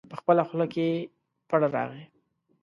په خپله خوله کې پړ راغی.